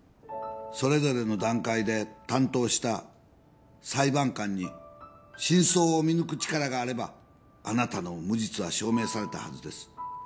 それぞれの段階で担当した裁判官に真相を見抜く力があればあなたの無実は証明されたはずです